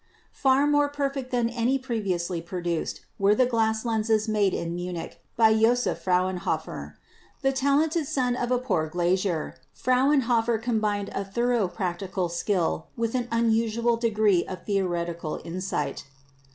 Far more perfect than any previously produced were the glass lenses made in Munich by Joseph Frauenhofer. The talented son of a poor glazier, Frauenhofer combined a thoro* practical skill with an unusual degree of theoretic insight.